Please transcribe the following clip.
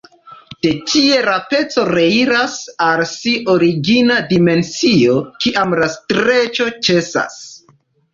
De tie la peco reiras al sia origina dimensio, kiam la streĉo ĉesas.